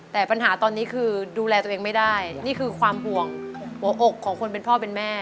แต่ปัญหาตอนนี้คือดูแลตัวเองไม่ได้นี่คือความห่วงหัวอกของคนเป็นพ่อเป็นแม่